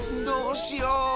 どうしよう。